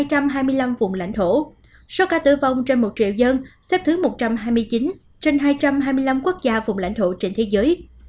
tổng số ca tử vong trên một triệu dân xếp thứ một trăm hai mươi chín trên hai trăm hai mươi năm quốc gia vùng lãnh thổ trên thế giới